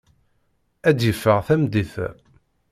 Ad yeffeɣ tameddit-a.